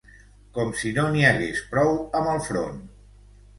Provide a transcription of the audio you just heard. Com si no n'hi hagués prou amb el front!